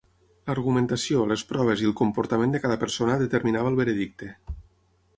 L'argumentació, les proves i el comportament de cada persona determinava el veredicte.